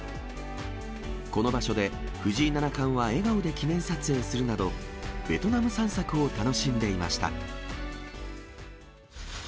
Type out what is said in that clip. この場所で、藤井七冠は笑顔で記念撮影するなど、ベトナム散策を楽しんでいました。